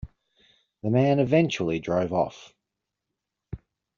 The man eventually drove off.